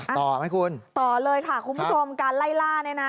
ต่อไหมคุณต่อเลยค่ะคุณผู้ชมการไล่ล่าเนี่ยนะ